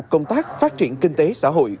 công tác phát triển kinh tế xã hội